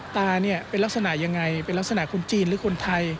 ตาเนี่ยเป็นลักษณะยังไงเป็นลักษณะคนจีนหรือคนไทย